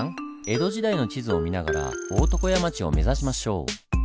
江戸時代の地図を見ながら大床屋町を目指しましょう。